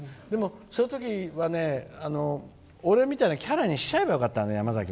そういう時は俺みたいなキャラにしちゃえばよかったんだよ。